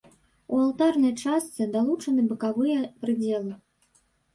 У алтарнай частцы далучаны бакавыя прыдзелы.